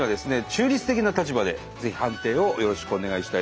中立的な立場でぜひ判定をよろしくお願いしたいと思います。